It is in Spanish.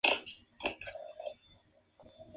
Tenia un hermano jesuita.